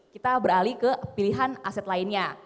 kita beralih ke pilihan aset lainnya